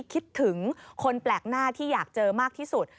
คิดถึงคนแปลกหน้าที่อยากเจอมากที่สุด